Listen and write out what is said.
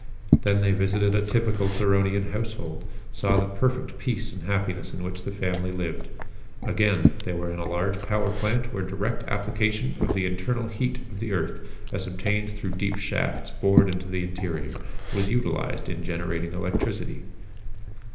Then they visited a typical Theronian household, saw the perfect peace and happiness in which the family lived. Again they were in a large power plant where direct application of the internal heat of the earth as obtained through deep shafts bored into the interior was utilized in generating electricity.